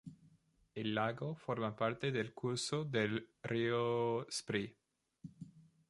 El lago forma parte del curso del río Spree.